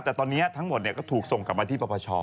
แต่ตอนนี้ทั้งหมดก็ถูกส่งกลับมาที่ปปช